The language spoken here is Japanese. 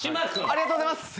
ありがとうございます。